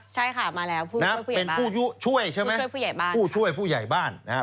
ใช่ค่ะมาแล้วผู้ช่วยผู้ใหญ่บ้านเป็นผู้ช่วยผู้ใหญ่บ้านนะฮะ